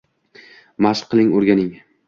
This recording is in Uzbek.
Mashq qiling, oʻrganing